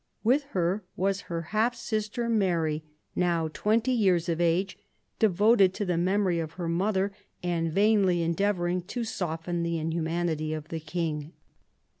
With her was her half sister Mary, now twenty years of age, devoted to the memory of her mother, and vainly endeavouring to soften the inhumanity of the King.